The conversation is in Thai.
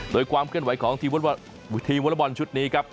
โดยความเคลื่อนไหวของทีมวอลบอลชุดนี้ครับ